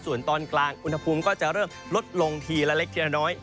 ส่วนตอนกลางอุณหภูมิก็จะเริ่มลดลงทีละเล็กทีละน้อย